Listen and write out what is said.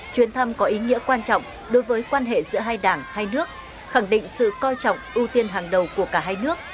chuyến thăm có ý nghĩa quan trọng đối với quan hệ giữa hai đảng hai nước khẳng định sự coi trọng ưu tiên hàng đầu của cả hai nước